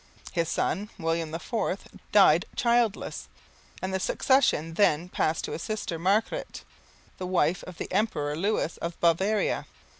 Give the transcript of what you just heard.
His son, William IV, died childless; and the succession then passed to his sister Margaret, the wife of the Emperor Lewis of Bavaria.